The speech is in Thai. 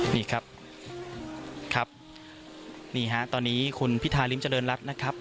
นี่ครับครับนี่ฮะตอนนี้คุณพิธาริมเจริญรัฐนะครับ